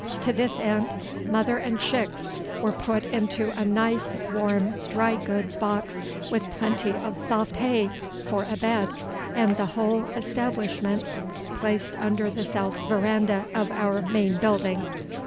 To this end mother and chicks were put into a nice warm dry goods box with plenty of soft hay for a bed, and the whole establishment placed under the south veranda of our main building.